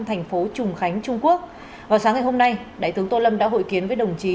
thành phố trùng khánh trung quốc vào sáng ngày hôm nay đại tướng tô lâm đã hội kiến với đồng chí